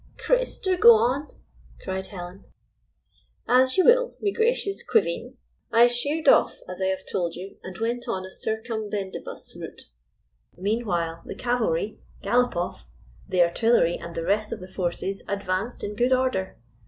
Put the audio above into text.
" Chris, do go on !" cried Helen. "As you will, me gracious queveen ! I sheered off, as I have told you, and went on a circum bendibus route. Meanwhile the cavalry — Galopoff — the artillery, and the rest of the forces advanced in good order.